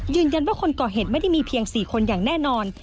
คนก่อเหตุไม่ได้มีเพียง๔คนอย่างแน่นอน